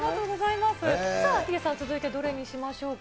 さあ、ヒデさん、続いてどれにしましょうか。